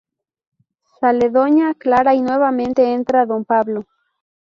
Sale doña Clara y nuevamente entra don Pablo.